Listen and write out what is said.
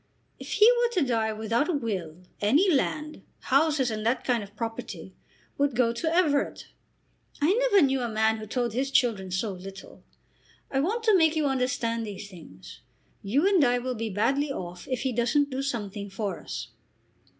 "If he were to die without a will, any land, houses and that kind of property, would go to Everett. I never knew a man who told his children so little. I want to make you understand these things. You and I will be badly off if he doesn't do something for us."